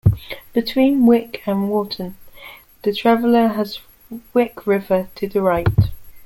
Between Wick and Watten the traveller has Wick River to the right.